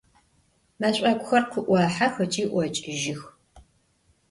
Мэшӏокухэр къыӏохьэх ыкӏи ӏокӏыжьых.